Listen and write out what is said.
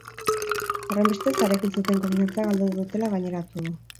Horrenbestez, harekin zuten konfiantza galdu dutela gaineratu du.